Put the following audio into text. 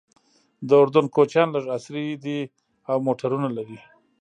د اردن کوچیان لږ عصري دي او موټرونه لري.